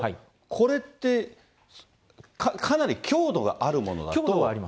これってかなり強度があるものだと。